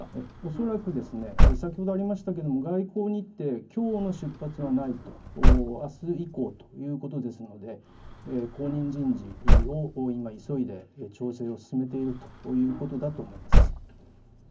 恐らく先ほどありましたけれども外交日程、きょうの出発はない、あす以降ということですので後任人事を今、急いで調整を進めているということだと思います。